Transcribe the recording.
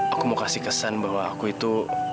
aku mau kasih kesan bahwa aku itu